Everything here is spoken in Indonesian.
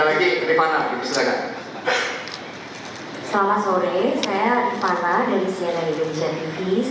baik terima kasih jadi jawaban dari kutu umum sama dengan pak pak kio raja gombang seperti itu